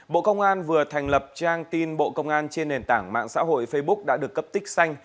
bộ công an vừa thành lập trang tin bộ công an trên nền tảng mạng xã hội facebook đã được cấp tích xanh